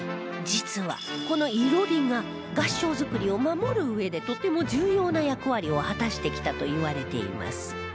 実はこの囲炉裏が合掌造りを守るうえでとても重要な役割を果たしてきたといわれています